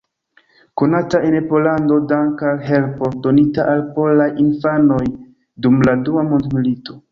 Konata en Pollando danke al helpo donita al polaj infanoj dum la dua mondmilito.